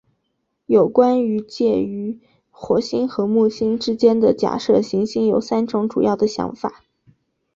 有关于介于火星和木星之间的假设行星有三种主要的想法。